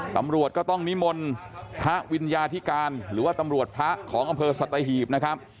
ตำรวจก็ต้องนิมนต์พระวิญญาธิการหรือว่าตำรวจพระของอำเภอสัตหีบนะครับ